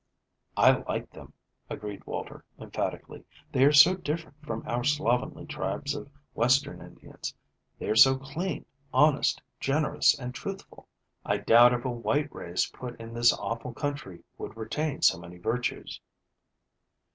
"I like them," agreed Walter emphatically. "They are so different from our slovenly tribes of Western Indians. They are so clean, honest, generous, and truthful. I doubt if a white race put in this awful country would retain so many virtues."